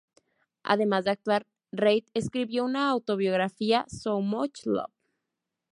Además de actuar, Reid escribió una autobiografía, "So Much Love".